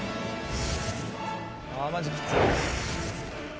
マジきつい。